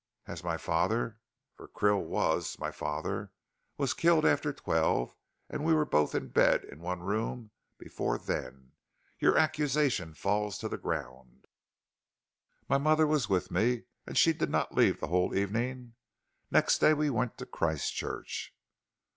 As my father for Krill was my father was killed after twelve, and we were both in bed in one room before then, your accusation falls to the ground. My mother was with me, and she did not leave the whole evening. Next day we went to Christchurch."